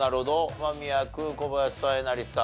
間宮君小林さんえなりさん。